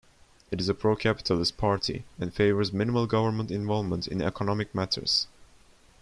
It is a pro-capitalist party and favours minimal government involvement in economic matters.